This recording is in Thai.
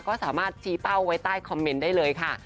ก็สามารถชี้เป้าไว้ใต้คอมเมนต์ได้เลยค่ะ